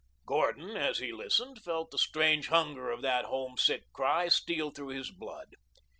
Gordon, as he listened, felt the strange hunger of that homesick cry steal through his blood.